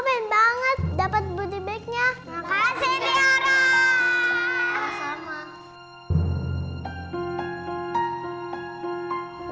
bener banget dapat budi baiknya makasih diorang sama